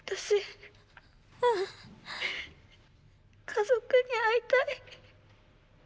☎家族に会いたい。